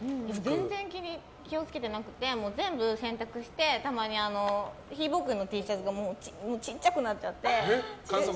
全然、気を付けてなくて全部洗濯してたまにひー坊君のＴシャツがちっちゃくなっちゃって。